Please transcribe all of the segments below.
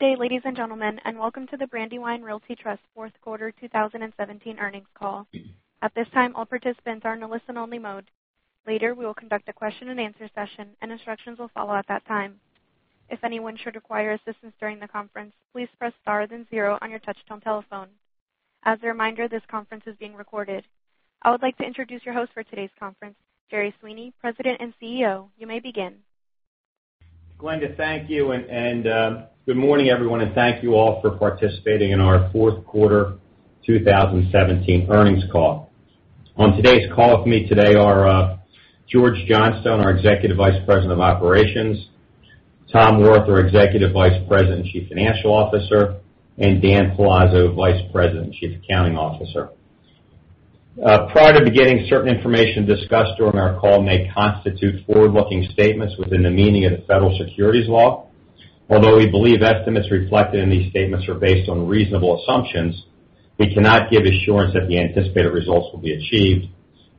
Good day, ladies and gentlemen, welcome to the Brandywine Realty Trust fourth quarter 2017 earnings call. At this time, all participants are in listen only mode. Later, we will conduct a question and answer session, and instructions will follow at that time. If anyone should require assistance during the conference, please press star then zero on your touch-tone telephone. As a reminder, this conference is being recorded. I would like to introduce your host for today's conference, Jerry Sweeney, President and CEO. You may begin. Glenda, thank you. Good morning, everyone, and thank you all for participating in our fourth quarter 2017 earnings call. On today's call with me today are George Johnstone, our Executive Vice President of Operations, Tom Wirth, our Executive Vice President and Chief Financial Officer, and Dan Palazzo, Vice President and Chief Accounting Officer. Prior to beginning, certain information discussed during our call may constitute forward-looking statements within the meaning of the federal securities law. Although we believe estimates reflected in these statements are based on reasonable assumptions, we cannot give assurance that the anticipated results will be achieved.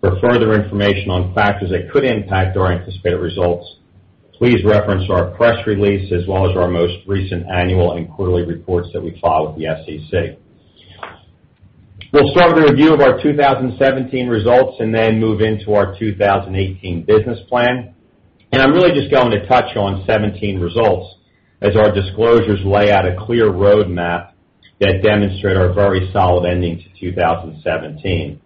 For further information on factors that could impact our anticipated results, please reference our press release as well as our most recent annual and quarterly reports that we file with the SEC. We'll start with a review of our 2017 results and then move into our 2018 business plan. I'm really just going to touch on 2017 results as our disclosures lay out a clear roadmap that demonstrate our very solid ending to 2017.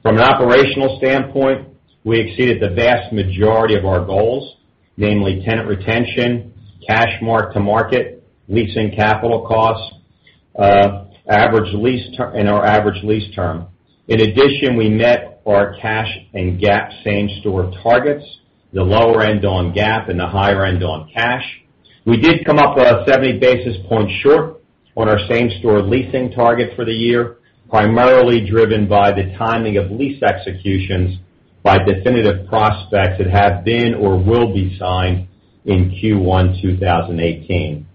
From an operational standpoint, we exceeded the vast majority of our goals, namely tenant retention, cash mark-to-market, leasing capital costs, and our average lease term. In addition, we met our cash and GAAP same-store targets, the lower end on GAAP and the higher end on cash. We did come up about 70 basis points short on our same-store leasing target for the year, primarily driven by the timing of lease executions by definitive prospects that have been or will be signed in Q1 2018.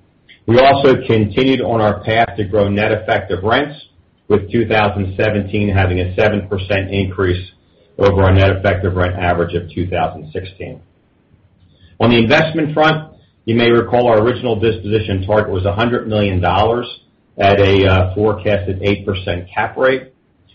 We also continued on our path to grow net effective rents, with 2017 having a 7% increase over our net effective rent average of 2016. On the investment front, you may recall our original disposition target was $100 million at a forecasted 8% cap rate.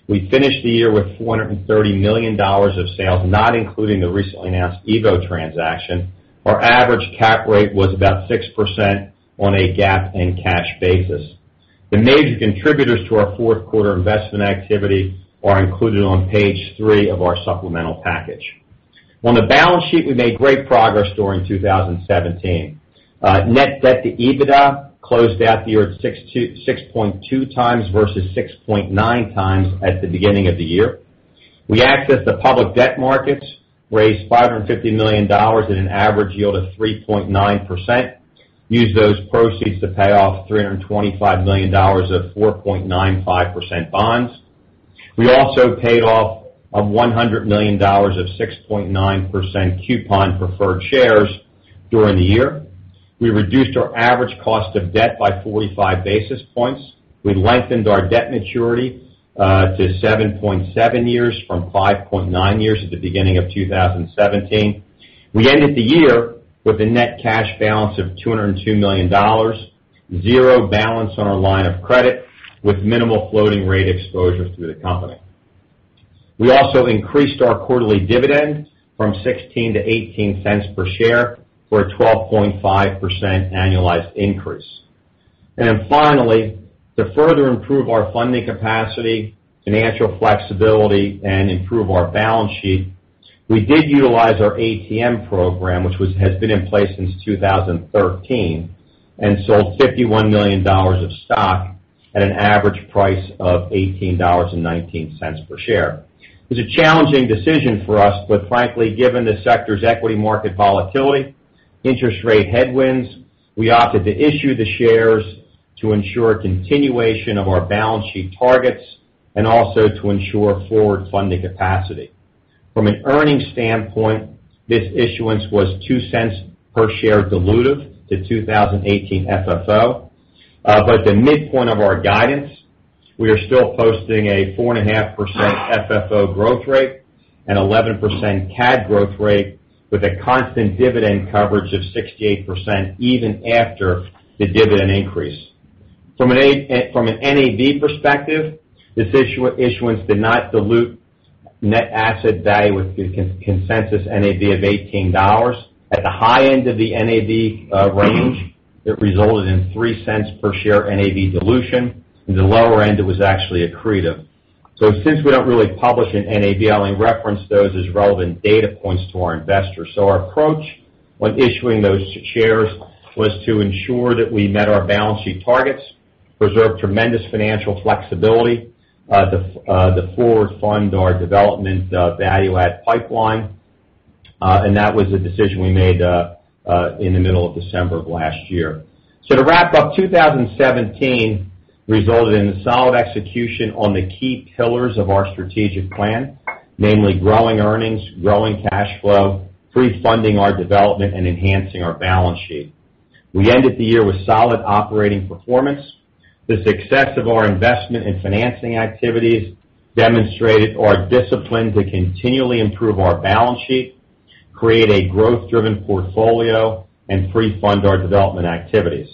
We finished the year with $430 million of sales, not including the recently announced evo transaction. Our average cap rate was about 6% on a GAAP and cash basis. The major contributors to our fourth-quarter investment activity are included on page three of our supplemental package. On the balance sheet, we made great progress during 2017. Net debt to EBITDA closed out the year at 6.2 times versus 6.9 times at the beginning of the year. We accessed the public debt markets, raised $550 million at an average yield of 3.9%, used those proceeds to pay off $325 million of 4.95% bonds. We also paid off $100 million of 6.9% coupon preferred shares during the year. We reduced our average cost of debt by 45 basis points. We lengthened our debt maturity to 7.7 years from 5.9 years at the beginning of 2017. We ended the year with a net cash balance of $202 million, zero balance on our line of credit, with minimal floating rate exposure through the company. We also increased our quarterly dividend from $0.16 to $0.18 per share for a 12.5% annualized increase. Finally, to further improve our funding capacity, financial flexibility, and improve our balance sheet, we did utilize our ATM program, which has been in place since 2013, and sold $51 million of stock at an average price of $18.19 per share. It was a challenging decision for us, but frankly, given the sector's equity market volatility, interest rate headwinds, we opted to issue the shares to ensure continuation of our balance sheet targets and also to ensure forward funding capacity. From an earnings standpoint, this issuance was $0.02 per share dilutive to 2018 FFO. At the midpoint of our guidance, we are still posting a 4.5% FFO growth rate and 11% CAD growth rate with a constant dividend coverage of 68%, even after the dividend increase. From an NAV perspective, this issuance did not dilute net asset value with the consensus NAV of $18. At the high end of the NAV range, it resulted in $0.03 per share NAV dilution. In the lower end, it was actually accretive. Since we don't really publish an NAV, I only reference those as relevant data points to our investors. Our approach when issuing those shares was to ensure that we met our balance sheet targets, preserve tremendous financial flexibility to forward fund our development value add pipeline. That was a decision we made in the middle of December of last year. To wrap up, 2017 resulted in solid execution on the key pillars of our strategic plan, namely growing earnings, growing cash flow, pre-funding our development, and enhancing our balance sheet. We ended the year with solid operating performance. The success of our investment and financing activities demonstrated our discipline to continually improve our balance sheet Create a growth-driven portfolio and pre-fund our development activities.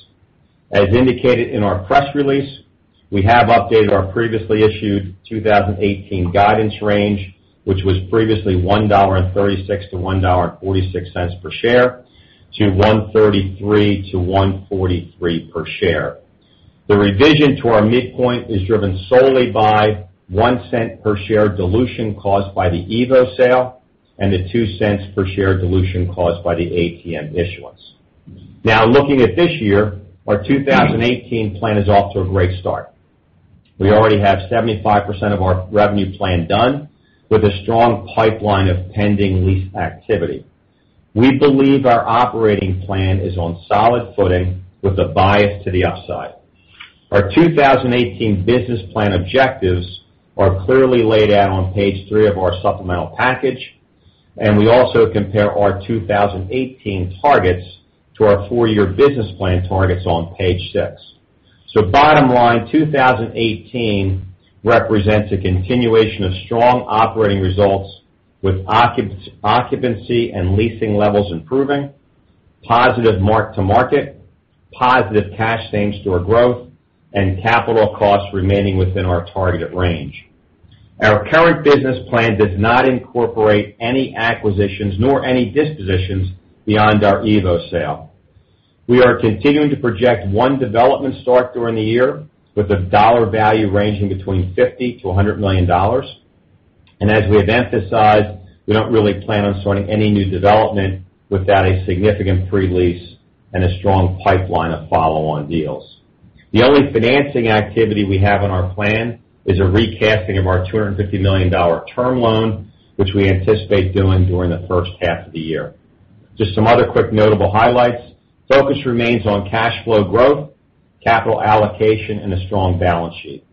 As indicated in our press release, we have updated our previously issued 2018 guidance range, which was previously $1.36 to $1.46 per share, to $1.33 to $1.43 per share. The revision to our midpoint is driven solely by $0.01 per share dilution caused by the evo sale and the $0.02 per share dilution caused by the ATM issuance. Looking at this year, our 2018 plan is off to a great start. We already have 75% of our revenue plan done with a strong pipeline of pending lease activity. We believe our operating plan is on solid footing with a bias to the upside. Our 2018 business plan objectives are clearly laid out on page three of our supplemental package, and we also compare our 2018 targets to our four-year business plan targets on page six. Bottom line, 2018 represents a continuation of strong operating results with occupancy and leasing levels improving, positive mark-to-market, positive cash same-store growth, and capital costs remaining within our targeted range. Our current business plan does not incorporate any acquisitions nor any dispositions beyond our evo sale. We are continuing to project one development start during the year with a dollar value ranging between $50 million to $100 million. As we have emphasized, we don't really plan on starting any new development without a significant pre-lease and a strong pipeline of follow-on deals. The only financing activity we have in our plan is a recasting of our $250 million term loan, which we anticipate doing during the first half of the year. Just some other quick notable highlights. Focus remains on cash flow growth, capital allocation, and a strong balance sheet.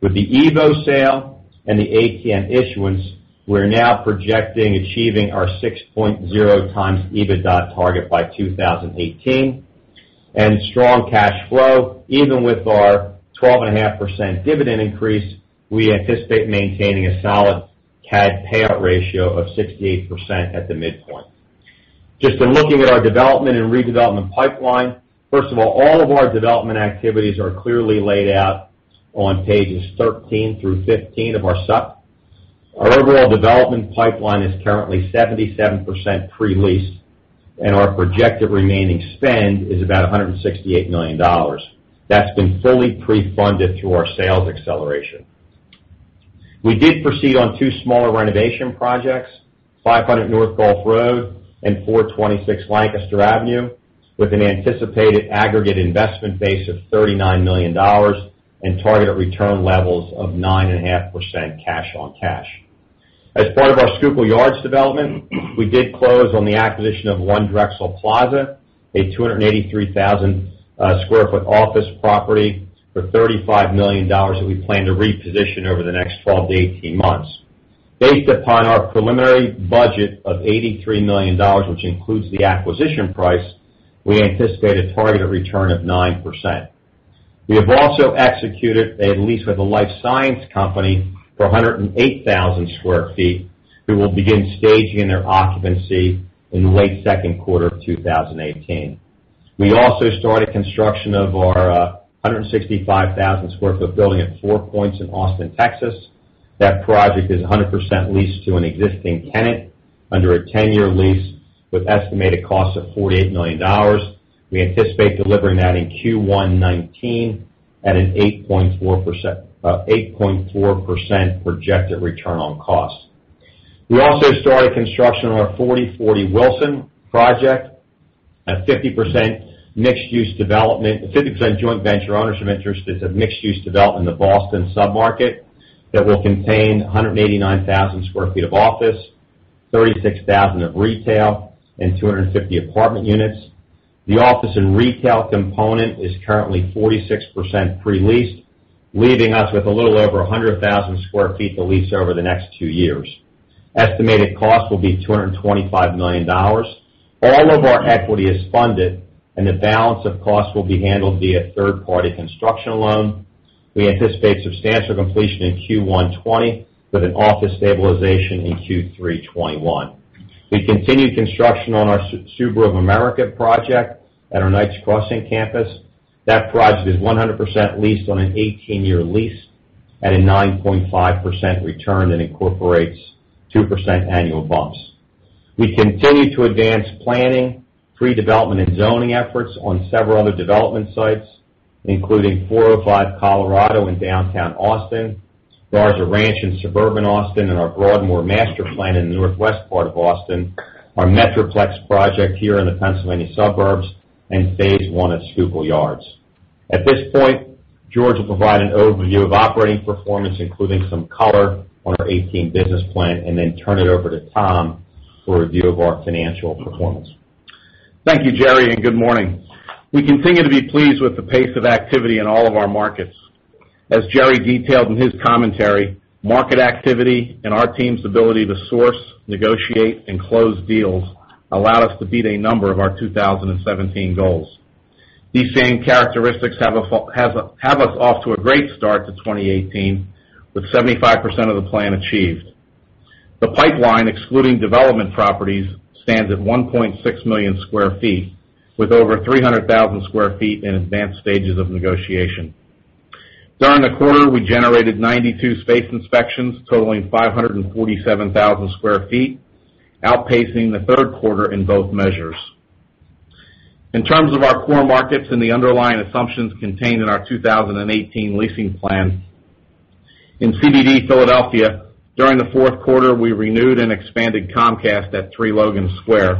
With the evo sale and the ATM issuance, we're now projecting achieving our 6.0 times EBITDA target by 2018. Strong cash flow, even with our 12.5% dividend increase, we anticipate maintaining a solid CAD payout ratio of 68% at the midpoint. Just in looking at our development and redevelopment pipeline. First of all of our development activities are clearly laid out on pages 13 through 15 of our sup. Our overall development pipeline is currently 77% pre-leased, and our projected remaining spend is about $168 million. That's been fully pre-funded through our sales acceleration. We did proceed on two smaller renovation projects, 500 North Gulph Road and 426 Lancaster Avenue, with an anticipated aggregate investment base of $39 million and targeted return levels of 9.5% cash on cash. As part of our Schuylkill Yards development, we did close on the acquisition of One Drexel Plaza, a 283,000 square foot office property for $35 million that we plan to reposition over the next 12 to 18 months. Based upon our preliminary budget of $83 million, which includes the acquisition price, we anticipate a targeted return of 9%. We have also executed a lease with a life science company for 108,000 square feet, who will begin staging their occupancy in late second quarter of 2018. We also started construction of our 165,000 square foot building at Four Points in Austin, Texas. That project is 100% leased to an existing tenant under a 10-year lease with estimated costs of $48 million. We anticipate delivering that in Q1 2019 at an 8.4% projected return on cost. We also started construction on our 4040 Wilson project, a 50% joint venture ownership interest as a mixed-use development in the Ballston submarket that will contain 189,000 square feet of office, 36,000 of retail, and 250 apartment units. The office and retail component is currently 46% pre-leased, leaving us with a little over 100,000 square feet to lease over the next two years. Estimated cost will be $225 million. All of our equity is funded, and the balance of cost will be handled via third-party construction loan. We anticipate substantial completion in Q1 2020 with an office stabilization in Q3 2021. We continued construction on our Subaru of America project at our Knights Crossing campus. That project is 100% leased on an 18-year lease at a 9.5% return that incorporates 2% annual bumps. We continue to advance planning, pre-development, and zoning efforts on several other development sites, including 405 Colorado in downtown Austin, Garza Ranch in suburban Austin, and our Broadmoor master plan in the northwest part of Austin, our Metroplex project here in the Pennsylvania suburbs, and phase one of Schuylkill Yards. At this point, George will provide an overview of operating performance, including some color on our 2018 business plan, and then turn it over to Tom for a review of our financial performance. Thank you, Jerry, and good morning. We continue to be pleased with the pace of activity in all of our markets. As Jerry detailed in his commentary, market activity and our team's ability to source, negotiate, and close deals allowed us to beat a number of our 2017 goals. These same characteristics have us off to a great start to 2018, with 75% of the plan achieved. The pipeline, excluding development properties, stands at 1.6 million square feet, with over 300,000 square feet in advanced stages of negotiation. During the quarter, we generated 92 space inspections totaling 547,000 square feet, outpacing the third quarter in both measures. In terms of our core markets and the underlying assumptions contained in our 2018 leasing plan, in CBD Philadelphia, during the fourth quarter, we renewed and expanded Comcast at 3 Logan Square.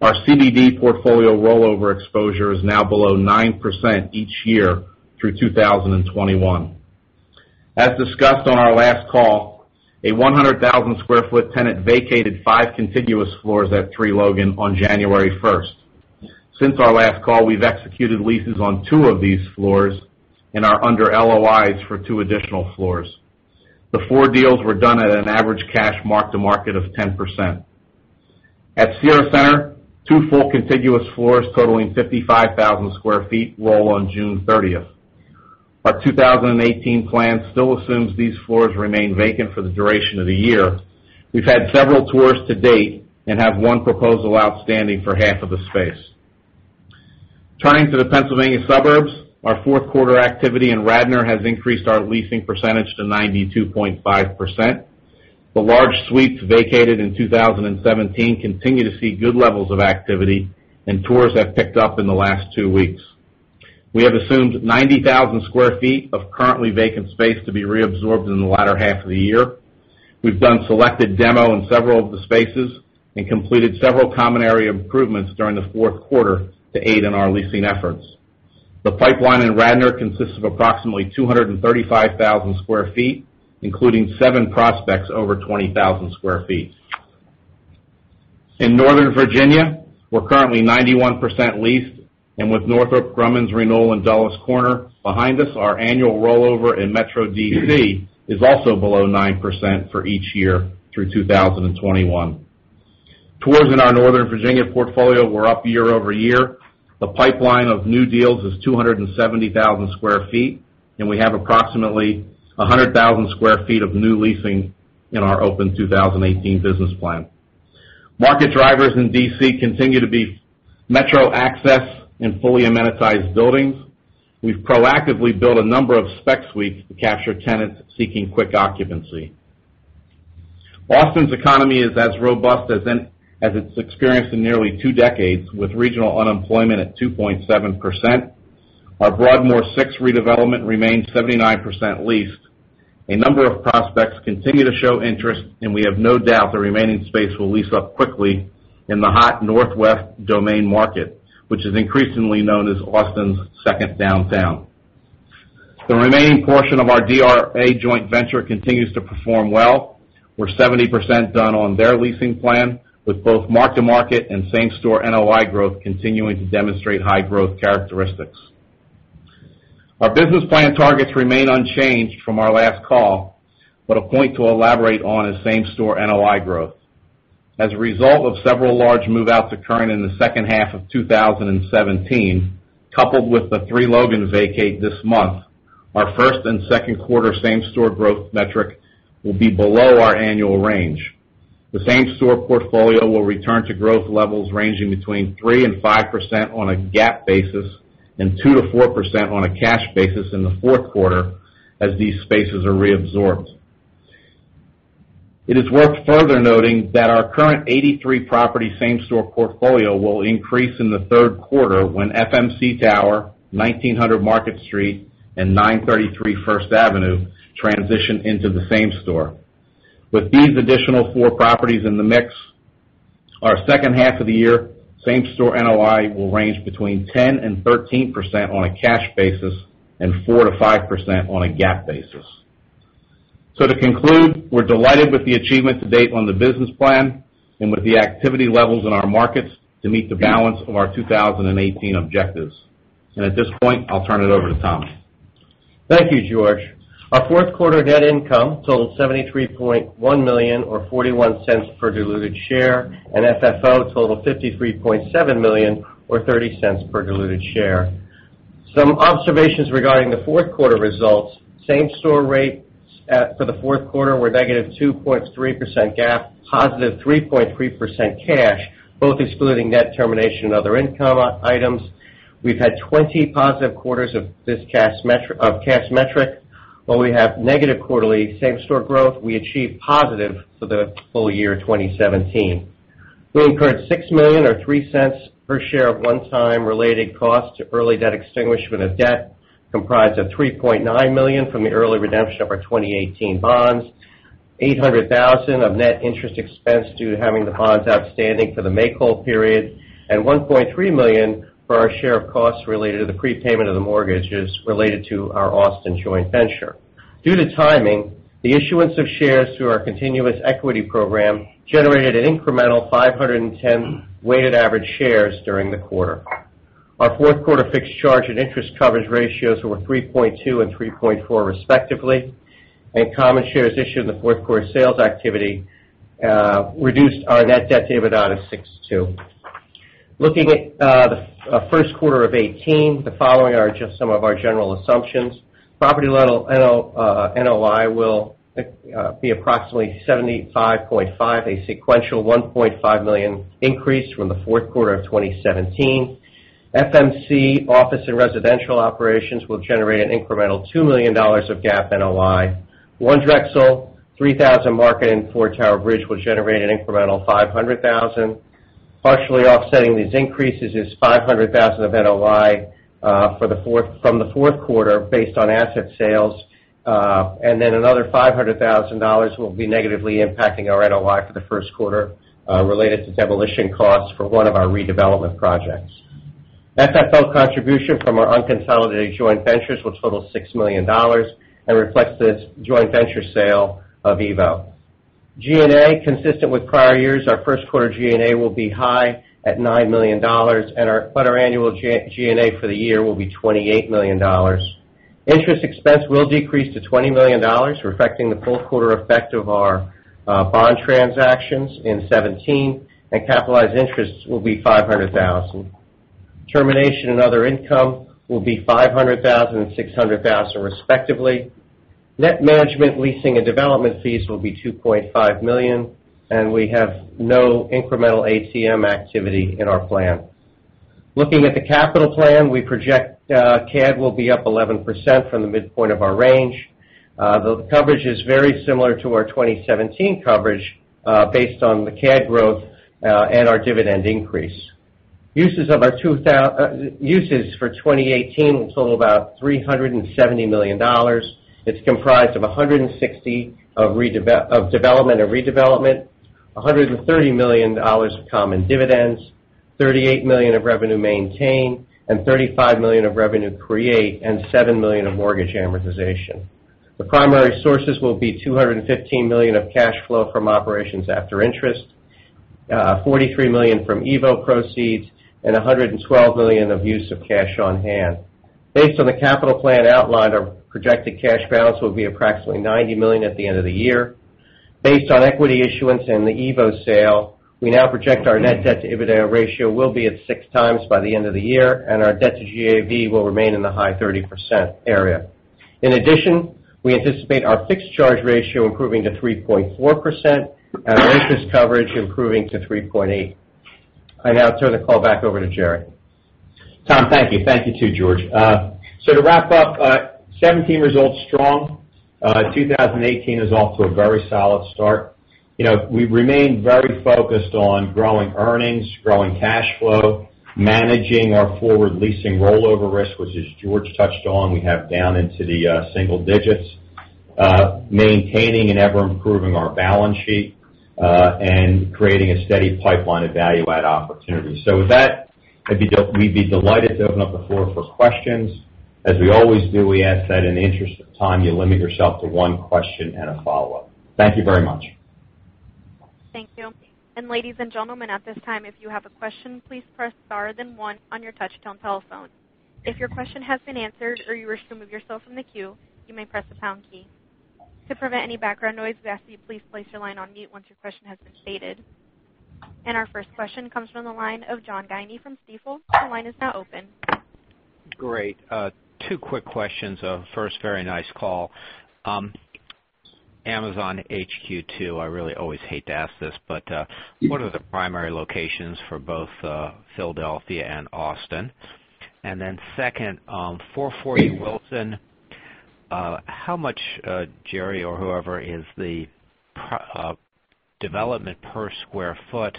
Our CBD portfolio rollover exposure is now below 9% each year through 2021. As discussed on our last call, a 100,000 square foot tenant vacated five contiguous floors at 3 Logan on January 1st. Since our last call, we've executed leases on two of these floors and are under LOIs for two additional floors. The four deals were done at an average cash mark to market of 10%. At Cira Centre, two full contiguous floors totaling 55,000 square feet roll on June 30th. Our 2018 plan still assumes these floors remain vacant for the duration of the year. We've had several tours to date and have one proposal outstanding for half of the space. Turning to the Pennsylvania suburbs, our fourth quarter activity in Radnor has increased our leasing percentage to 92.5%. The large suites vacated in 2017 continue to see good levels of activity. Tours have picked up in the last two weeks. We have assumed 90,000 square feet of currently vacant space to be reabsorbed in the latter half of the year. We've done selected demo in several of the spaces and completed several common area improvements during the fourth quarter to aid in our leasing efforts. The pipeline in Radnor consists of approximately 235,000 square feet, including seven prospects over 20,000 square feet. In Northern Virginia, we're currently 91% leased, and with Northrop Grumman's renewal in Dulles Corner behind us, our annual rollover in Metro D.C. is also below 9% for each year through 2021. Tours in our Northern Virginia portfolio were up year-over-year. The pipeline of new deals is 270,000 square feet. We have approximately 100,000 square feet of new leasing in our open 2018 business plan. Market drivers in D.C. continue to be Metro access and fully amenitized buildings. Austin's economy is as robust as it's experienced in nearly two decades, with regional unemployment at 2.7%. Our Broadmoor 6 redevelopment remains 79% leased. A number of prospects continue to show interest. We have no doubt the remaining space will lease up quickly in the hot Northwest Domain market, which is increasingly known as Austin's second downtown. The remaining portion of our DRA joint venture continues to perform well. We're 70% done on their leasing plan, with both mark-to-market and same-store NOI growth continuing to demonstrate high growth characteristics. Our business plan targets remain unchanged from our last call. A point to elaborate on is same-store NOI growth. As a result of several large move-outs occurring in the second half of 2017, coupled with the Three Logan vacate this month, our first and second quarter same-store growth metric will be below our annual range. The same-store portfolio will return to growth levels ranging between 3%-5% on a GAAP basis and 2%-4% on a cash basis in the fourth quarter as these spaces are reabsorbed. It is worth further noting that our current 83-property same-store portfolio will increase in the third quarter when FMC Tower, 1900 Market Street, and 933 First Avenue transition into the same store. With these additional four properties in the mix, our second half of the year same-store NOI will range between 10%-13% on a cash basis and 4%-5% on a GAAP basis. To conclude, we're delighted with the achievement to date on the business plan and with the activity levels in our markets to meet the balance of our 2018 objectives. At this point, I'll turn it over to Tom. Thank you, George. Our fourth quarter net income totaled $73.1 million, or $0.41 per diluted share, and FFO totaled $53.7 million, or $0.30 per diluted share. Some observations regarding the fourth quarter results, same-store rates for the fourth quarter were -2.3% GAAP, +3.3% cash, both excluding net termination and other income items. We've had 20 positive quarters of this cash metric. While we have negative quarterly same-store growth, we achieved positive for the full year 2017. We incurred $6 million or $0.03 per share of one-time related costs to early debt extinguishment of debt, comprised of $3.9 million from the early redemption of our 2018 bonds, $800,000 of net interest expense due to having the bonds outstanding for the make-whole period, and $1.3 million for our share of costs related to the prepayment of the mortgages related to our Austin joint venture. Due to timing, the issuance of shares through our continuous equity program generated an incremental 510 weighted average shares during the quarter. Our fourth quarter fixed charge and interest coverage ratios were 3.2 and 3.4 respectively, and common shares issued in the fourth quarter sales activity reduced our net debt to EBITDA to 6.2. Looking at the first quarter of 2018, the following are just some of our general assumptions. Property level NOI will be approximately $75.5 million, a sequential $1.5 million increase from the fourth quarter of 2017. FMC office and residential operations will generate an incremental $2 million of GAAP NOI. One Drexel, 3000 Market, and Four Tower Bridge will generate an incremental $500,000. Partially offsetting these increases is $500,000 of NOI from the fourth quarter based on asset sales. Another $500,000 will be negatively impacting our NOI for the first quarter related to demolition costs for one of our redevelopment projects. FFO contribution from our unconsolidated joint ventures will total $6 million and reflects the joint venture sale of evo. G&A, consistent with prior years, our first quarter G&A will be high at $9 million, our annual G&A for the year will be $28 million. Interest expense will decrease to $20 million, reflecting the full quarter effect of our bond transactions in 2017, and capitalized interests will be $500,000. Termination and other income will be $500,000 and $600,000 respectively. Net management leasing and development fees will be $2.5 million, and we have no incremental ATM activity in our plan. Looking at the capital plan, we project CAD will be up 11% from the midpoint of our range. The coverage is very similar to our 2017 coverage based on the CAD growth and our dividend increase. Uses for 2018 will total about $370 million. It is comprised of $160 million of development and redevelopment, $130 million of common dividends, $38 million of revenue maintain, and $35 million of revenue create, and $7 million of mortgage amortization. The primary sources will be $215 million of cash flow from operations after interest, $43 million from evo proceeds, and $112 million of use of cash on-hand. Based on the capital plan outlined, our projected cash balance will be approximately $90 million at the end of the year. Based on equity issuance and the evo sale, we now project our net debt-to-EBITDA ratio will be at 6 times by the end of the year, and our debt to GAV will remain in the high 30% area. In addition, we anticipate our fixed charge ratio improving to 3.4% and our interest coverage improving to 3.8%. I now turn the call back over to Jerry. Tom, thank you. Thank you too, George. To wrap up, 2017 results strong. 2018 is off to a very solid start. We remain very focused on growing earnings, growing cash flow, managing our forward leasing rollover risk, which, as George touched on, we have down into the single digits. Maintaining and ever-improving our balance sheet, and creating a steady pipeline of value add opportunities. With that, we would be delighted to open up the floor for questions. As we always do, we ask that in the interest of time, you limit yourself to one question and a follow-up. Thank you very much. Thank you. Ladies and gentlemen, at this time, if you have a question, please press star then one on your touchtone telephone. If your question has been answered or you wish to remove yourself from the queue, you may press the pound key. To prevent any background noise, we ask that you please place your line on mute once your question has been stated. Our first question comes from the line of John Guinee from Stifel. Your line is now open. Great. Two quick questions. First, very nice call. Amazon HQ2, I really always hate to ask this, but what are the primary locations for both Philadelphia and Austin? Then second, 4040 Wilson, how much, Jerry or whoever, is the development per square foot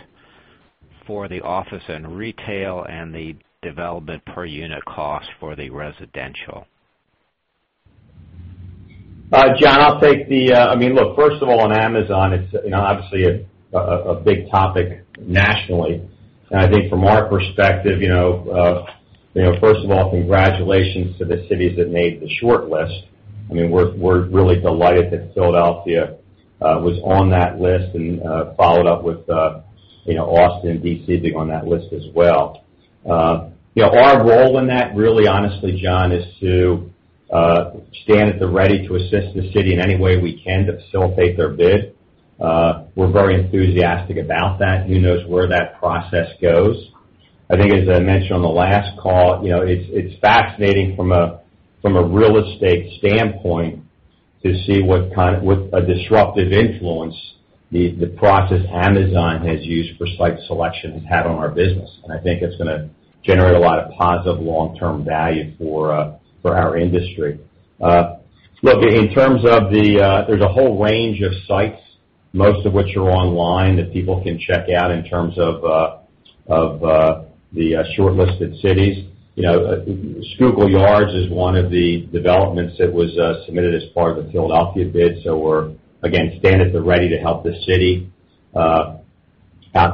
for the office and retail, and the development per unit cost for the residential? John, first of all, on Amazon, it's obviously a big topic nationally. I think from our perspective, first of all, congratulations to the cities that made the short list. We're really delighted that Philadelphia was on that list and followed up with Austin and D.C. being on that list as well. Our role in that really honestly, John, is to stand at the ready to assist the city in any way we can to facilitate their bid. We're very enthusiastic about that. Who knows where that process goes. I think as I mentioned on the last call, it's fascinating from a real estate standpoint to see what kind of a disruptive influence the process Amazon has used for site selection has had on our business. I think it's going to generate a lot of positive long-term value for our industry. Look, there's a whole range of sites, most of which are online, that people can check out in terms of the shortlisted cities. Schuylkill Yards is one of the developments that was submitted as part of the Philadelphia bid. We again stand at the ready to help the city out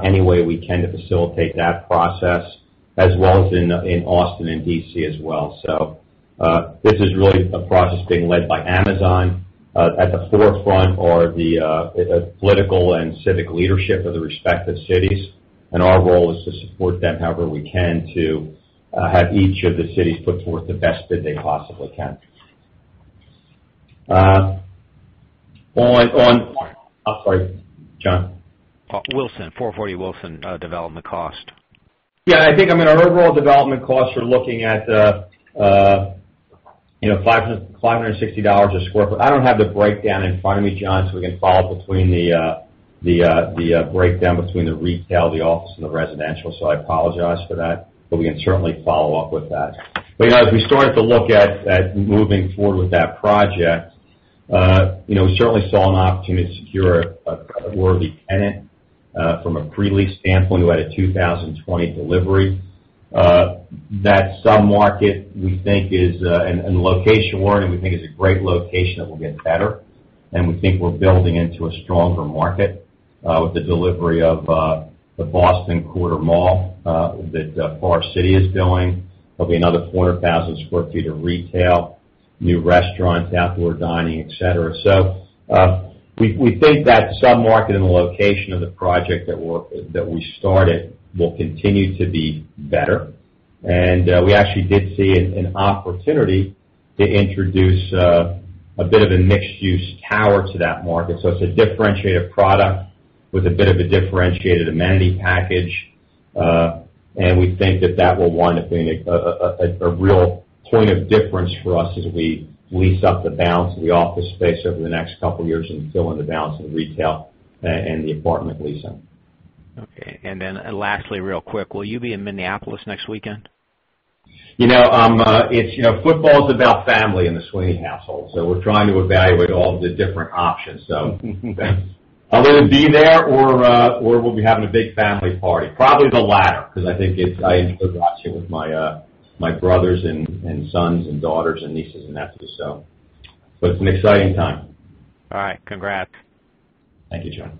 any way we can to facilitate that process, as well as in Austin and D.C. as well. This is really a process being led by Amazon. At the forefront are the political and civic leadership of the respective cities, and our role is to support them however we can to have each of the cities put forth the best bid they possibly can. Wilson. Oh, sorry, John. Wilson. 4040 Wilson development cost. Yeah, I think our overall development costs are looking at $560 a square foot. I don't have the breakdown in front of me, John, so we can follow up between the breakdown between the retail, the office, and the residential. I apologize for that, but we can certainly follow up with that. As we started to look at moving forward with that project, we certainly saw an opportunity to secure a credible worthy tenant, from a pre-lease standpoint, who had a 2020 delivery. That sub-market, we think is, and the location warranted, we think is a great location that will get better. We think we're building into a stronger market, with the delivery of the Ballston Quarter Mall, that Forest City is building. There'll be another 400,000 sq ft of retail, new restaurants, outdoor dining, et cetera. We think that sub-market and the location of the project that we started will continue to be better. We actually did see an opportunity to introduce a bit of a mixed-use tower to that market. It's a differentiated product with a bit of a differentiated amenity package. We think that that will wind up being a real point of difference for us as we lease up the balance of the office space over the next couple of years and fill in the balance of the retail, and the apartment leasing. Okay. Lastly, real quick, will you be in Minneapolis next weekend? Football's about family in the Sweeney household, so we're trying to evaluate all of the different options. I'll either be there or we'll be having a big family party. Probably the latter, because I think I enjoy watching it with my brothers and sons and daughters and nieces and nephews. It's an exciting time. All right. Congrats. Thank you, John.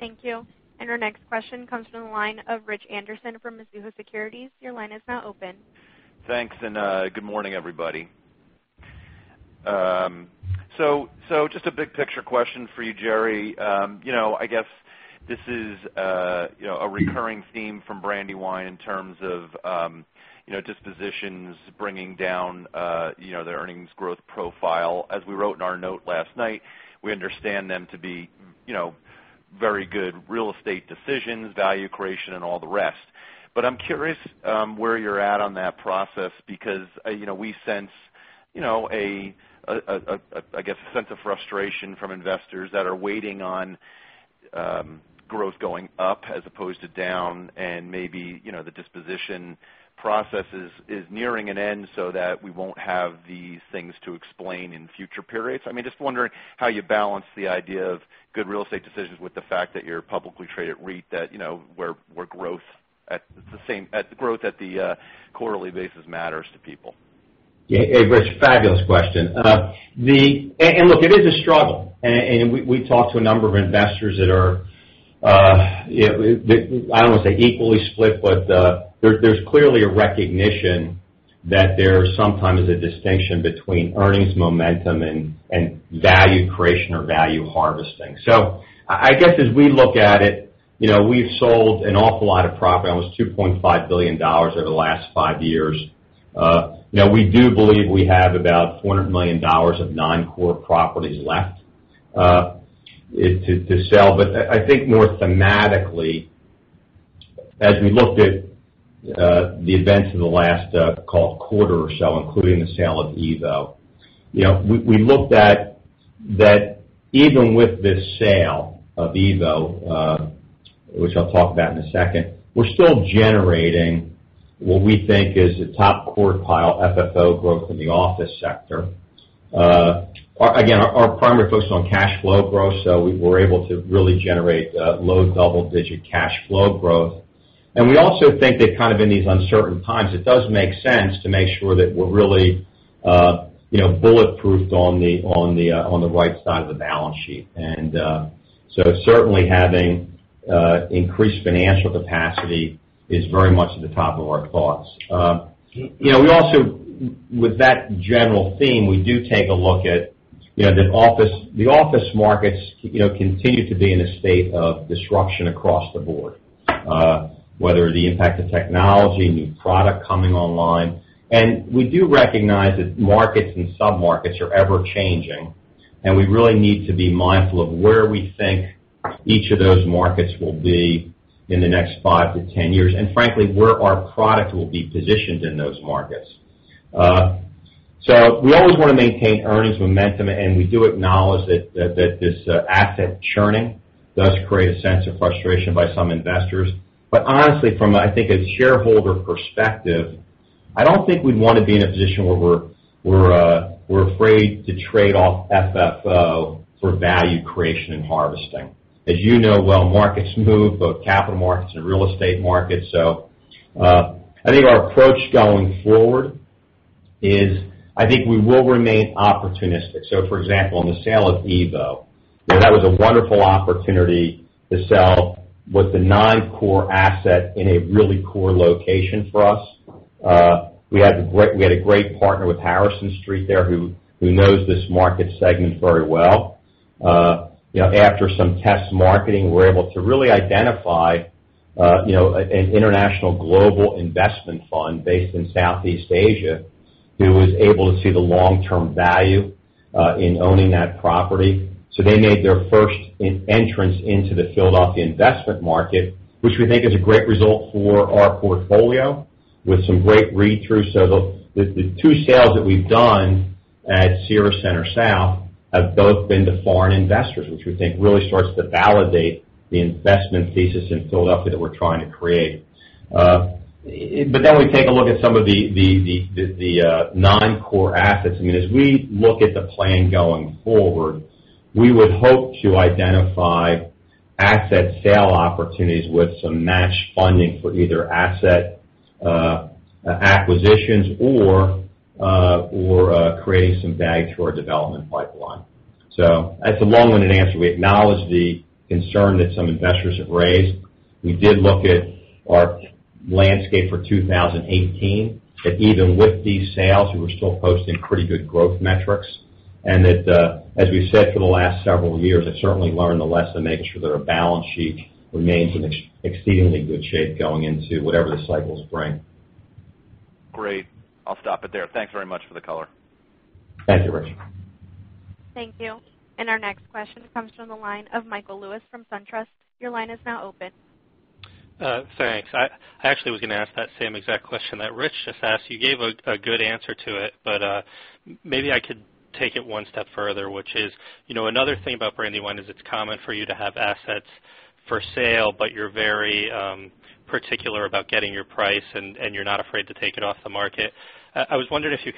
Thank you. Our next question comes from the line of Rich Anderson from Mizuho Securities. Your line is now open. Thanks. Good morning, everybody. Just a big picture question for you, Jerry. I guess this is a recurring theme from Brandywine in terms of dispositions bringing down their earnings growth profile. As we wrote in our note last night, we understand them to be very good real estate decisions, value creation, and all the rest. I'm curious where you're at on that process, because we sense, I guess a sense of frustration from investors that are waiting on growth going up as opposed to down, and maybe the disposition process is nearing an end so that we won't have these things to explain in future periods. I'm just wondering how you balance the idea of good real estate decisions with the fact that you're a publicly traded REIT, where growth at the quarterly basis matters to people. Rich, fabulous question. Look, it is a struggle. We talk to a number of investors that are, I don't want to say equally split, but there's clearly a recognition that there sometimes is a distinction between earnings momentum and value creation or value harvesting. I guess as we look at it, we've sold an awful lot of property, almost $2.5 billion over the last five years. We do believe we have about $400 million of non-core properties left to sell. I think more thematically, as we looked at the events of the last call quarter or so, including the sale of evo, we looked at that even with this sale of evo, which I'll talk about in a second, we're still generating what we think is a top quartile FFO growth in the office sector. Again, our primary focus is on cash flow growth, we were able to really generate low double-digit cash flow growth. We also think that kind of in these uncertain times, it does make sense to make sure that we're really bulletproofed on the right side of the balance sheet. Certainly having increased financial capacity is very much at the top of our thoughts. We also, with that general theme, we do take a look at the office markets continue to be in a state of disruption across the board, whether the impact of technology, new product coming online. We do recognize that markets and sub-markets are ever-changing, and we really need to be mindful of where we think each of those markets will be in the next five to 10 years, and frankly, where our product will be positioned in those markets. We always want to maintain earnings momentum, and we do acknowledge that this asset churning does create a sense of frustration by some investors. Honestly, from, I think a shareholder perspective, I don't think we'd want to be in a position where we're afraid to trade off FFO for value creation and harvesting. As you know well, markets move, both capital markets and real estate markets. I think our approach going forward is, I think we will remain opportunistic. For example, on the sale of evo. That was a wonderful opportunity to sell what's a non-core asset in a really core location for us. We had a great partner with Harrison Street there, who knows this market segment very well. After some test marketing, we were able to really identify an international global investment fund based in Southeast Asia who was able to see the long-term value in owning that property. They made their first entrance into the Philadelphia investment market, which we think is a great result for our portfolio with some great read-through. The two sales that we've done at Cira Centre South have both been to foreign investors, which we think really starts to validate the investment thesis in Philadelphia that we're trying to create. We take a look at some of the non-core assets. As we look at the plan going forward, we would hope to identify asset sale opportunities with some matched funding for either asset acquisitions or creating some value to our development pipeline. That's a long-winded answer. We acknowledge the concern that some investors have raised. We did look at our landscape for 2018, that even with these sales, we were still posting pretty good growth metrics, that, as we said for the last several years, have certainly learned the lesson, making sure that our balance sheet remains in exceedingly good shape going into whatever the cycles bring. Great. I'll stop it there. Thanks very much for the color. Thank you, Rich. Thank you. Our next question comes from the line of Michael Lewis from SunTrust. Your line is now open. Thanks. I actually was going to ask that same exact question that Rich just asked. You gave a good answer to it, but maybe I could take it one step further, which is, another thing about Brandywine is it's common for you to have assets for sale, but you're very particular about getting your price, and you're not afraid to take it off the market. I was wondering if you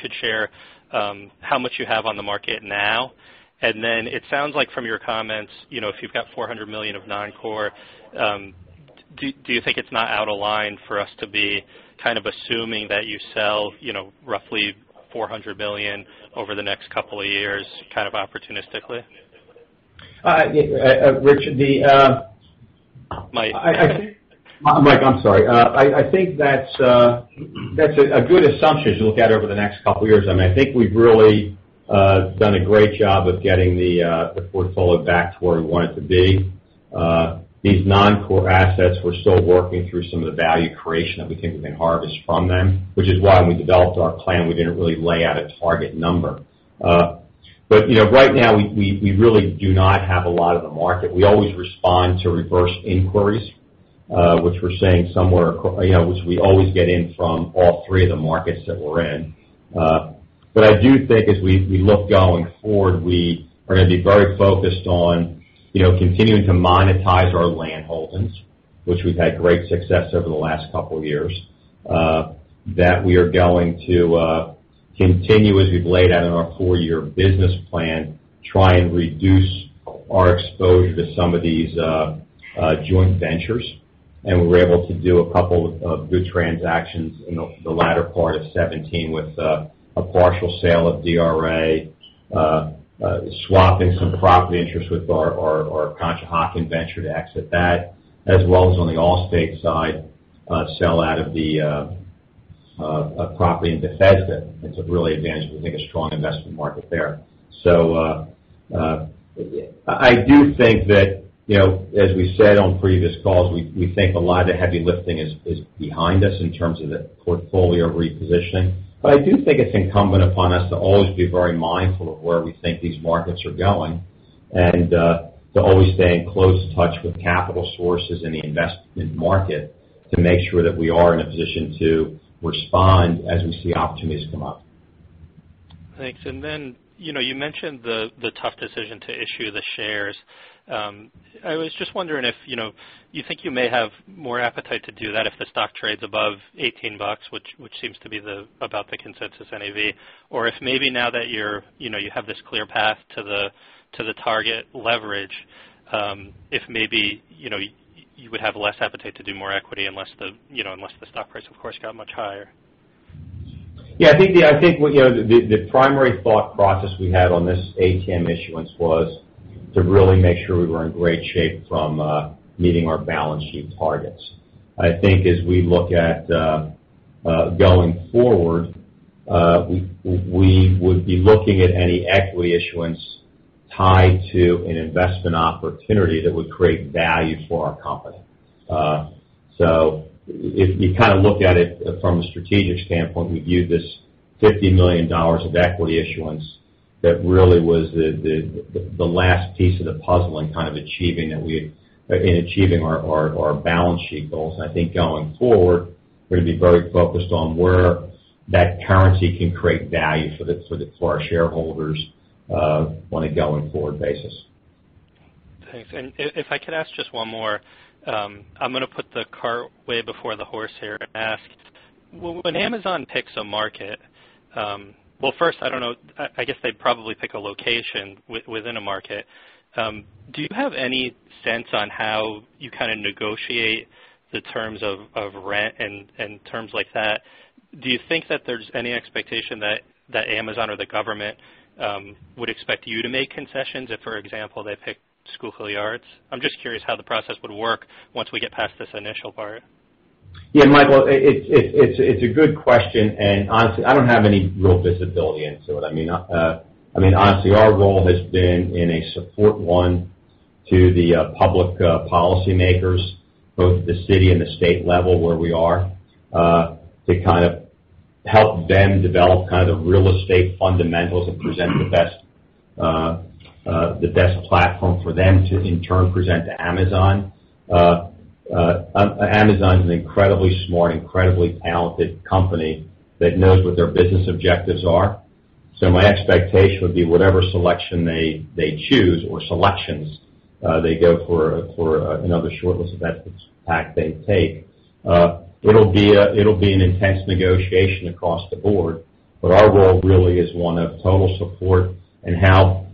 could share how much you have on the market now, and then it sounds like from your comments, if you've got $400 million of non-core, do you think it's not out of line for us to be kind of assuming that you sell roughly $400 million over the next couple of years kind of opportunistically? Rich. Mike. Mike, I'm sorry. I think that's a good assumption as you look out over the next couple of years. I think we've really done a great job of getting the portfolio back to where we want it to be. These non-core assets, we're still working through some of the value creation that we think we can harvest from them, which is why when we developed our plan, we didn't really lay out a target number. Right now, we really do not have a lot of the market. We always respond to reverse inquiries, which we always get in from all three of the markets that we're in. I do think as we look going forward, we are going to be very focused on continuing to monetize our land holdings, which we've had great success over the last couple of years. That we are going to continue, as we've laid out in our four-year business plan, try and reduce our exposure to some of these joint ventures. We were able to do a couple of good transactions in the latter part of 2017 with a partial sale of DRA, swapping some property interests with our Conshohocken venture to exit that, as well as on the Allstate side, sell out of the property in Bethesda into really advantage, we think, a strong investment market there. I do think that, as we said on previous calls, we think a lot of the heavy lifting is behind us in terms of the portfolio repositioning. I do think it's incumbent upon us to always be very mindful of where we think these markets are going, and to always stay in close touch with capital sources in the investment market to make sure that we are in a position to respond as we see opportunities come up. Thanks. You mentioned the tough decision to issue the shares. I was just wondering if you think you may have more appetite to do that if the stock trades above $18, which seems to be about the consensus NAV. Maybe now that you have this clear path to the target leverage, maybe you would have less appetite to do more equity unless the stock price, of course, got much higher. Yeah. I think the primary thought process we had on this ATM issuance was to really make sure we were in great shape from meeting our balance sheet targets. I think as we look at going forward, we would be looking at any equity issuance tied to an investment opportunity that would create value for our company. If you kind of look at it from a strategic standpoint, we viewed this $50 million of equity issuance that really was the last piece of the puzzle in kind of achieving our balance sheet goals. I think going forward, we're going to be very focused on where that currency can create value for our shareholders on a going forward basis. Thanks. If I could ask just one more. I'm going to put the cart way before the horse here and ask, when Amazon picks a market. Well, first, I don't know, I guess they probably pick a location within a market. Do you have any sense on how you kind of negotiate the terms of rent and terms like that? Do you think that there's any expectation that Amazon or the government would expect you to make concessions if, for example, they pick Schuylkill Yards? I'm just curious how the process would work once we get past this initial part. Michael, it's a good question. Honestly, I don't have any real visibility into it. Honestly, our role has been in a support one to the public policymakers, both the city and the state level where we are, to help them develop the real estate fundamentals and present the best platform for them to, in turn, present to Amazon. Amazon's an incredibly smart, incredibly talented company that knows what their business objectives are. My expectation would be whatever selection they choose, or selections they go for another shortlist of that pack they take, it'll be an intense negotiation across the board. Our role really is one of total support and how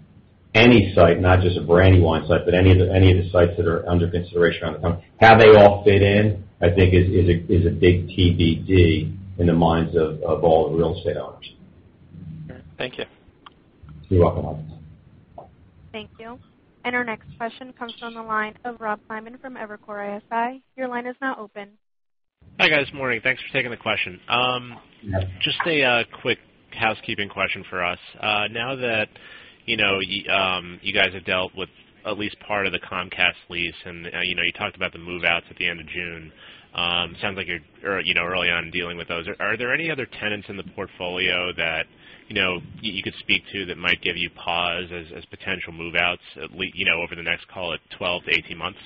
any site, not just a Brandywine site, but any of the sites that are under consideration on the company, how they all fit in, I think is a big TBD in the minds of all the real estate owners. All right. Thank you. You're welcome. Thank you. Our next question comes from the line of Rob Simone from Evercore ISI. Your line is now open. Hi, guys. Morning. Thanks for taking the question. Yeah. Just a quick housekeeping question for us. Now that you guys have dealt with at least part of the Comcast lease, you talked about the move-outs at the end of June. Sounds like you're early on dealing with those. Are there any other tenants in the portfolio that you could speak to that might give you pause as potential move-outs over the next, call it, 12 to 18 months?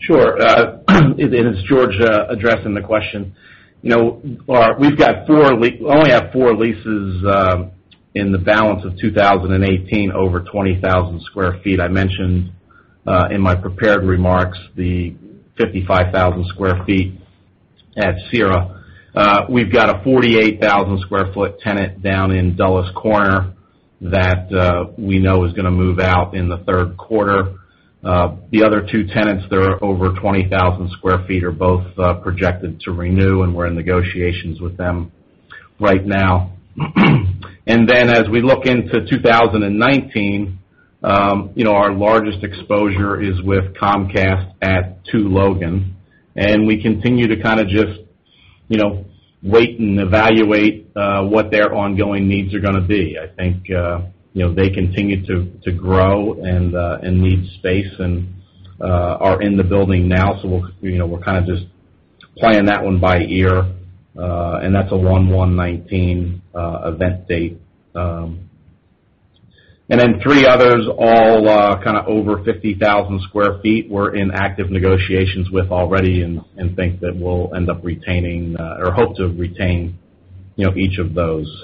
Sure. It's George addressing the question. We only have four leases in the balance of 2018, over 20,000 sq ft. I mentioned in my prepared remarks the 55,000 sq ft at Cira. We've got a 48,000-sq ft tenant down in Dulles Corner that we know is going to move out in the third quarter. The other two tenants that are over 20,000 sq ft are both projected to renew, and we're in negotiations with them right now. As we look into 2019, our largest exposure is with Comcast at Two Logan, and we continue to just wait and evaluate what their ongoing needs are gonna be. I think they continue to grow and need space and are in the building now, so we're kind of just playing that one by ear. That's a 1/1/19 event date. Three others, all over 50,000 sq ft, we're in active negotiations with already and think that we'll end up retaining or hope to retain each of those.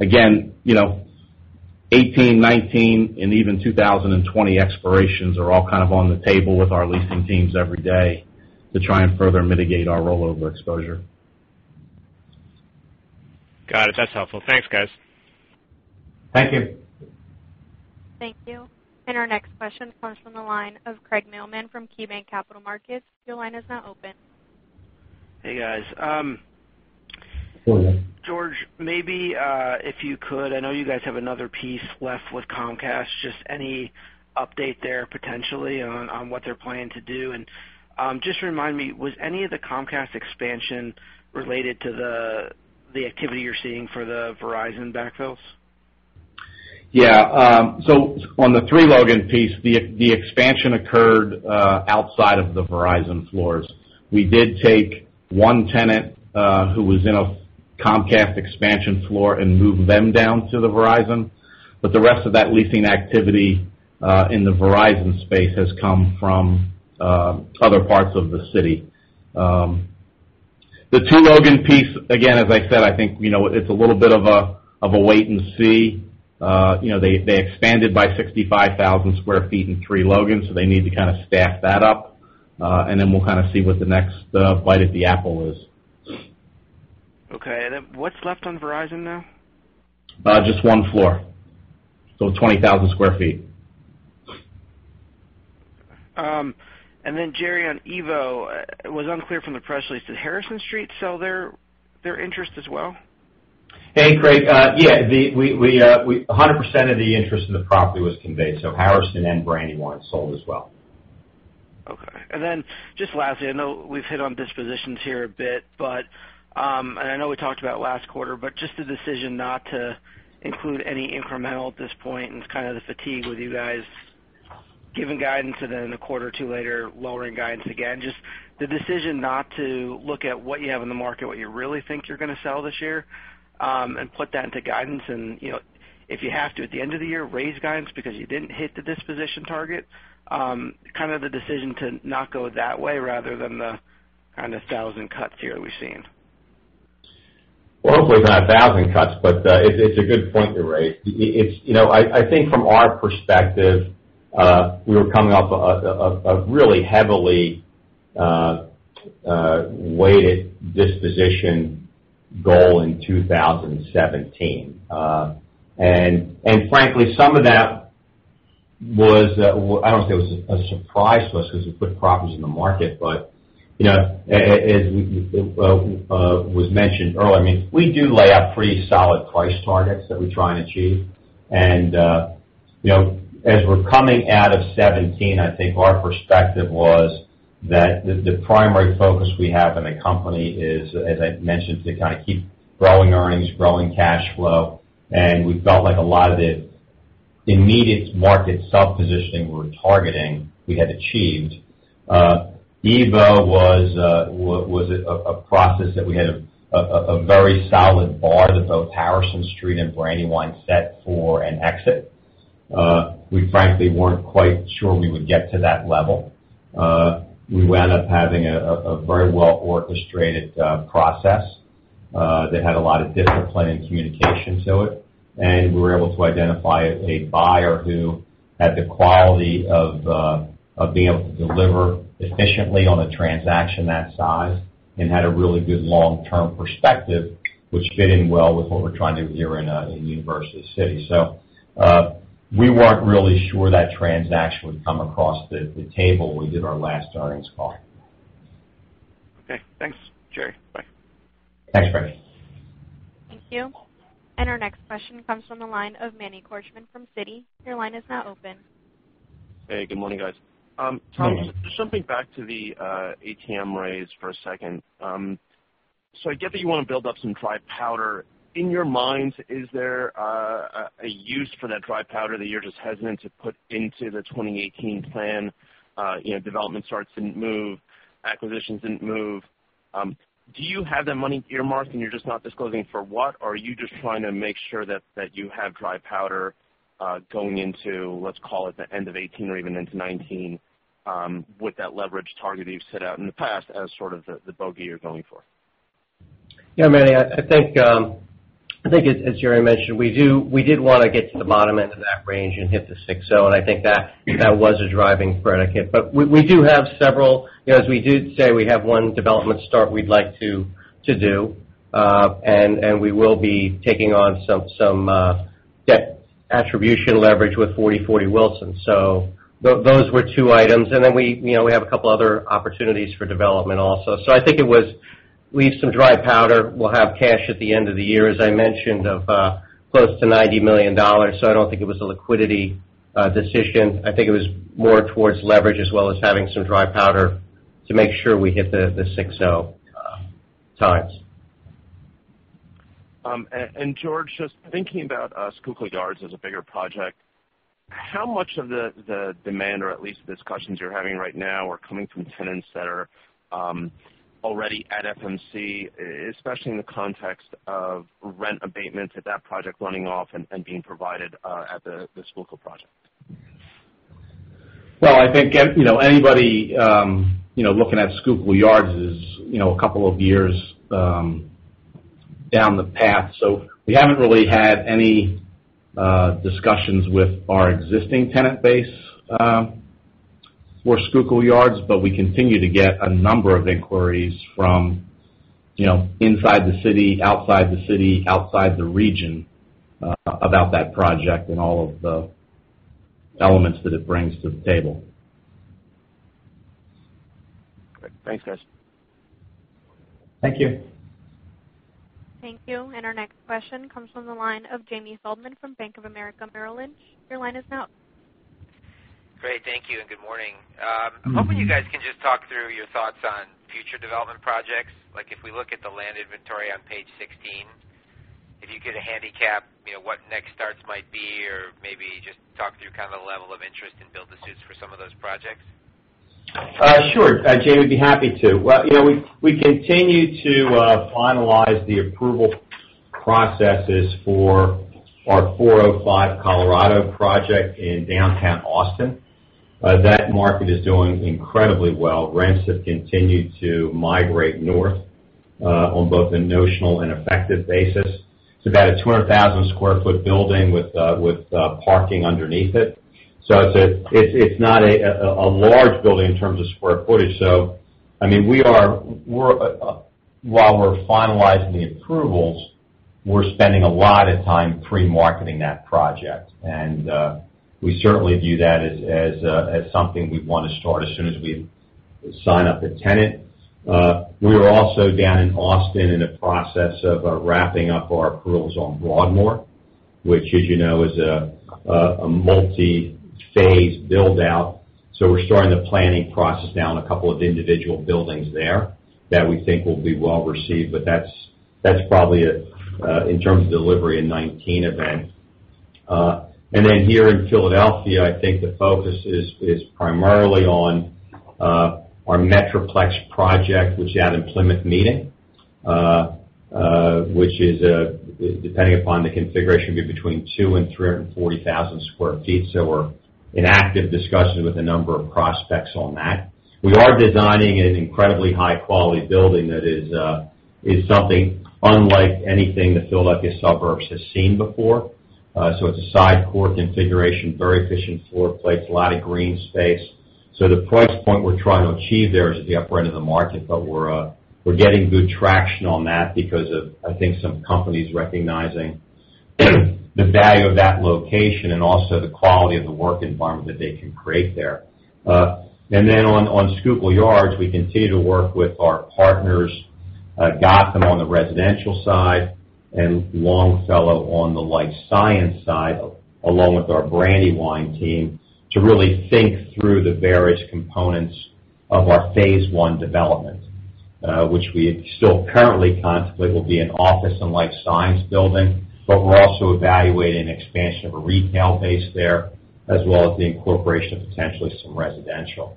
Again, 2018, 2019, and even 2020 expirations are all on the table with our leasing teams every day to try and further mitigate our rollover exposure. Got it. That's helpful. Thanks, guys. Thank you. Thank you. Our next question comes from the line of Craig Mailman from KeyBanc Capital Markets. Your line is now open. Hey, guys. Morning. George, maybe if you could, I know you guys have another piece left with Comcast, just any update there potentially on what they're planning to do? Just remind me, was any of the Comcast expansion related to the activity you're seeing for the Verizon backfills? Yeah. On the Three Logan piece, the expansion occurred outside of the Verizon floors. We did take one tenant who was in a Comcast expansion floor and move them down to the Verizon. The rest of that leasing activity in the Verizon space has come from other parts of the city. The Two Logan piece, again, as I said, I think it's a little bit of a wait-and-see. They expanded by 65,000 square feet in Three Logan, they need to kind of staff that up. Then we'll kind of see what the next bite of the apple is. Okay. What's left on Verizon now? Just one floor. 20,000 sq ft. Jerry, on evo, it was unclear from the press release. Did Harrison Street sell their interest as well? Hey, Craig. Yeah. 100% of the interest in the property was conveyed, so Harrison and Brandywine sold as well. Okay. Just lastly, I know we've hit on dispositions here a bit, and I know we talked about last quarter, but just the decision not to include any incremental at this point, and it's kind of the fatigue with you guys giving guidance and then a quarter or two later, lowering guidance again. Just the decision not to look at what you have in the market, what you really think you're gonna sell this year, and put that into guidance and, if you have to, at the end of the year, raise guidance because you didn't hit the disposition target. Kind of the decision to not go that way rather than the kind of thousand cuts here we've seen. Well, hopefully it's not a 1,000 cuts. It's a good point you raise. I think from our perspective, we were coming off of a really heavily weighted disposition goal in 2017. Frankly, some of that was, I won't say it was a surprise to us because we put properties in the market. As was mentioned earlier, we do lay out pretty solid price targets that we try and achieve. As we're coming out of 2017, I think our perspective was that the primary focus we have in the company is, as I mentioned, to keep growing earnings, growing cash flow. We felt like a lot of the immediate market self-positioning we were targeting, we had achieved. evo was a process that we had a very solid bar that both Harrison Street and Brandywine set for an exit. We frankly weren't quite sure we would get to that level. We wound up having a very well-orchestrated process that had a lot of discipline and communication to it. We were able to identify a buyer who had the quality of being able to deliver efficiently on a transaction that size and had a really good long-term perspective, which fit in well with what we're trying to do here in University City. We weren't really sure that transaction would come across the table when we did our last earnings call. Okay. Thanks, Jerry. Bye. Thanks, Craig. Thank you. Our next question comes from the line of Manny Korchman from Citi. Your line is now open. Hey, good morning, guys. Morning. Tom, just jumping back to the ATM raise for a second. I get that you want to build up some dry powder. In your minds, is there a use for that dry powder that you're just hesitant to put into the 2018 plan? Development starts didn't move, acquisitions didn't move. Do you have that money earmarked, and you're just not disclosing for what, or are you just trying to make sure that you have dry powder going into, let's call it, the end of 2018 or even into 2019 with that leverage target that you've set out in the past as sort of the bogey you're going for? Yeah, Manny, I think as Jerry mentioned, we did want to get to the bottom end of that range and hit the 6.0, and I think that was a driving predicate. We do have several, as we did say, we have one development start we'd like to do. We will be taking on some debt attribution leverage with 4040 Wilson. Those were two items. Then we have a couple other opportunities for development also. I think it was leave some dry powder. We'll have cash at the end of the year, as I mentioned, of close to $90 million. I don't think it was a liquidity decision. I think it was more towards leverage as well as having some dry powder to make sure we hit the 6.0 times. George, just thinking about Schuylkill Yards as a bigger project, how much of the demand, or at least the discussions you're having right now, are coming from tenants that are already at FMC, especially in the context of rent abatement at that project running off and being provided at the Schuylkill project? Well, I think anybody looking at Schuylkill Yards is a couple of years down the path. We haven't really had any discussions with our existing tenant base for Schuylkill Yards, we continue to get a number of inquiries from inside the city, outside the city, outside the region, about that project and all of the elements that it brings to the table. Great. Thanks, guys. Thank you. Thank you. Our next question comes from the line of Jamie Feldman from Bank of America Merrill Lynch. Your line is now open. Great. Thank you and good morning. I'm hoping you guys can just talk through your thoughts on future development projects. If we look at the land inventory on page 16, if you could handicap what next starts might be, or maybe just talk through kind of the level of interest in build-to-suits for some of those projects. Sure, Jamie, we'd be happy to. We continue to finalize the approval processes for our 405 Colorado project in downtown Austin. That market is doing incredibly well. Rents have continued to migrate north on both a notional and effective basis. It's about a 200,000 square foot building with parking underneath it. It's not a large building in terms of square footage. While we're finalizing the approvals, we're spending a lot of time pre-marketing that project. We certainly view that as something we'd want to start as soon as we sign up a tenant. We are also down in Austin in the process of wrapping up our approvals on Broadmoor, which as you know is a multi-phase build-out. We're starting the planning process now on a couple of individual buildings there that we think will be well received, but that's probably, in terms of delivery, a 2019 event. Here in Philadelphia, I think the focus is primarily on our Metroplex project, which is out in Plymouth Meeting, which is, depending upon the configuration, could be between 200,000 and 340,000 square feet. We're in active discussions with a number of prospects on that. We are designing an incredibly high-quality building that is something unlike anything the Philadelphia suburbs has seen before. It's a side core configuration, very efficient floor plates, a lot of green space. The price point we're trying to achieve there is at the upper end of the market, we're getting good traction on that because of, I think, some companies recognizing the value of that location and also the quality of the work environment that they can create there. On Schuylkill Yards, we continue to work with our partners Gotham on the residential side, and Longfellow on the life science side, along with our Brandywine team to really think through the various components of our phase one development, which we still currently contemplate will be an office and life science building. We're also evaluating an expansion of a retail base there, as well as the incorporation of potentially some residential.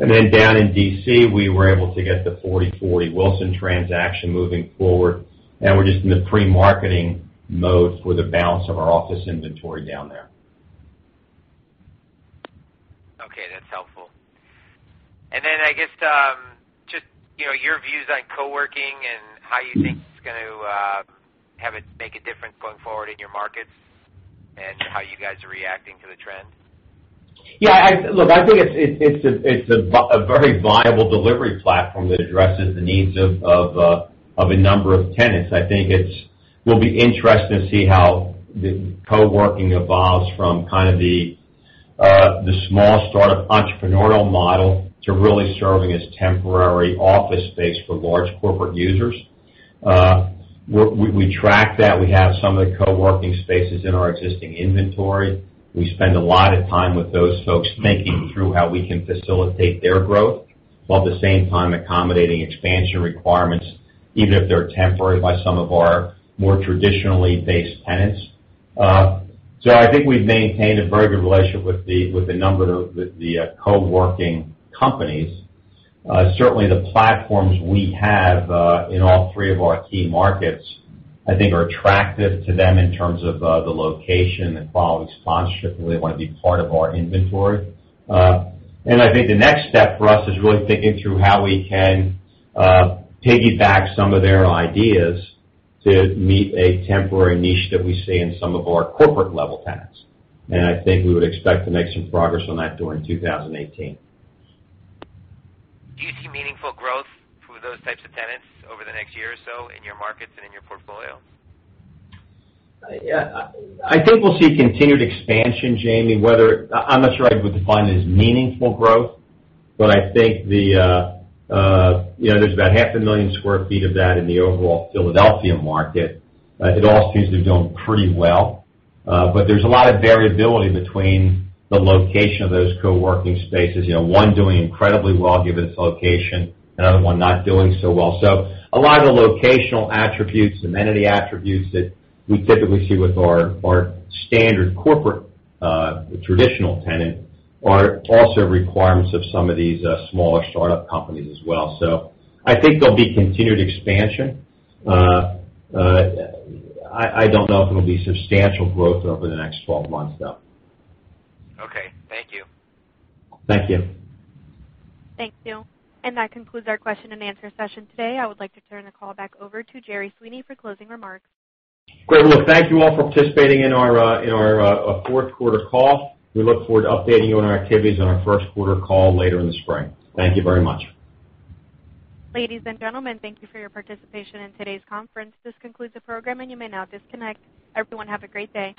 Down in D.C., we were able to get the 4040 Wilson transaction moving forward, we're just in the pre-marketing mode for the balance of our office inventory down there. Okay, that's helpful. I guess, just your views on co-working and how you think it's going to make a difference going forward in your markets, and how you guys are reacting to the trend. Yeah. Look, I think it's a very viable delivery platform that addresses the needs of a number of tenants. I think it will be interesting to see how co-working evolves from kind of the small startup entrepreneurial model to really serving as temporary office space for large corporate users. We track that. We have some of the co-working spaces in our existing inventory. We spend a lot of time with those folks thinking through how we can facilitate their growth, while at the same time accommodating expansion requirements, even if they're temporary, by some of our more traditionally based tenants. I think we've maintained a very good relationship with a number of the co-working companies. Certainly, the platforms we have in all three of our key markets, I think are attractive to them in terms of the location, the quality of sponsorship, where they want to be part of our inventory. The next step for us is really thinking through how we can piggyback some of their ideas to meet a temporary niche that we see in some of our corporate-level tenants. I think we would expect to make some progress on that during 2018. Do you see meaningful growth through those types of tenants over the next year or so in your markets and in your portfolio? Yeah. I think we'll see continued expansion, Jamie. I'm not sure I would define it as meaningful growth, but I think there's about 500,000 sq ft of that in the overall Philadelphia market. It all seems to be doing pretty well. There's a lot of variability between the location of those co-working spaces. One doing incredibly well given its location, another one not doing so well. A lot of the locational attributes, amenity attributes that we typically see with our standard corporate traditional tenant are also requirements of some of these smaller startup companies as well. I think there'll be continued expansion. I don't know if it will be substantial growth over the next 12 months, though. Okay. Thank you. Thank you. Thank you. That concludes our question and answer session today. I would like to turn the call back over to Jerry Sweeney for closing remarks. Great. Well, thank you all for participating in our fourth quarter call. We look forward to updating you on our activities on our first quarter call later in the spring. Thank you very much. Ladies and gentlemen, thank you for your participation in today's conference. This concludes the program, and you may now disconnect. Everyone have a great day.